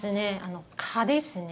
蚊ですね。